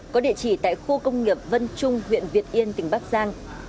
có địa chỉ tại khu công nghiệp vân trung huyện việt yên tỉnh bắc giang